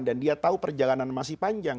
dan dia tahu perjalanan masih panjang